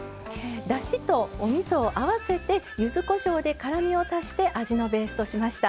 だしと、おみそを合わせてゆずこしょうで辛みを足して味のベースとしました。